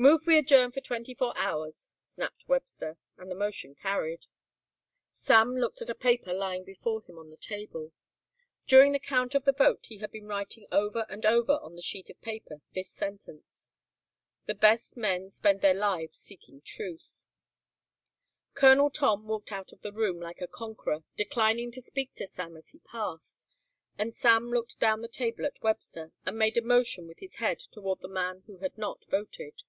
"Move we adjourn for twenty four hours," snapped Webster, and the motion carried. Sam looked at a paper lying before him on the table. During the count of the vote he had been writing over and over on the sheet of paper this sentence. "The best men spend their lives seeking truth." Colonel Tom walked out of the room like a conqueror, declining to speak to Sam as he passed, and Sam looked down the table at Webster and made a motion with his head toward the man who had not voted.